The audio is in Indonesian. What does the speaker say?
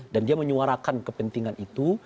dan dia menyuarakan kepentingan itu